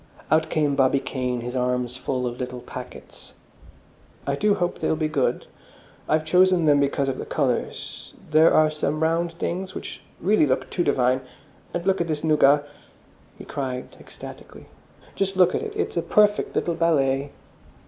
Out came Bobby Kane, his arms full of little packets. "I do hope they'll be good. I've chosen them because of the colours. There are some round things which really look too divine. And just look at this nougat," he cried ecstatically, "just look at it! It's a perfect little ballet!"